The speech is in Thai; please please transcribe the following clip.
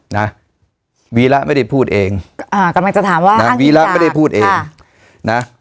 นะวีระไม่ได้พูดเองอ่ากำลังจะถามว่านะวีระไม่ได้พูดเองนะ